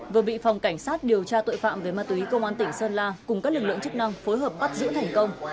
vừa bị phòng cảnh sát điều tra tội phạm về ma túy công an tỉnh sơn la cùng các lực lượng chức năng phối hợp bắt giữ thành công